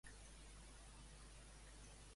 Per què vol que l'escullin per a governar?